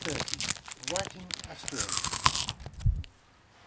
WRITING ''ASTORIA.'